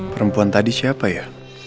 perempuan tadi siapa ya